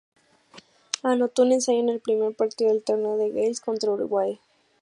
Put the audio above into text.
Anotó un ensayo en el primer partido del torneo de Gales contra Uruguay.